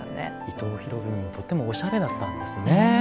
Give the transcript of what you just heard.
伊藤博文もとってもおしゃれだったんですね。